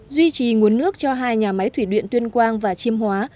duy trì nguồn nước cho hai nhà máy thủy điện tuyên quang và chiêm hóa